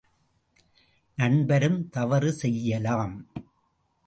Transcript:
நண்பரும் தவறு செய்யலாம்.